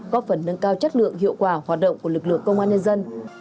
góp phần nâng cao chất lượng hiệu quả hoạt động của lực lượng công an nhân dân